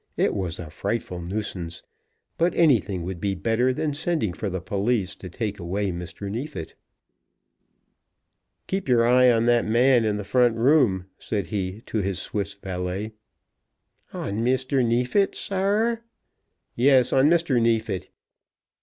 It was a frightful nuisance, but anything would be better than sending for the police to take away Mr. Neefit. "Keep your eye on that man in the front room," said he, to his Swiss valet. "On Mr. Neefit, saar?" "Yes; on Mr. Neefit.